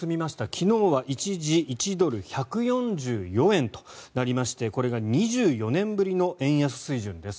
昨日は一時１ドル＝１４４円となりましてこれが２４年ぶりの円安水準です。